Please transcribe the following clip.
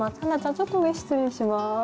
ちょっと上失礼します。